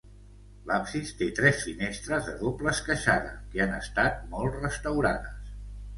L'absis té tres finestres de doble esqueixada, que han estat molt restaurades.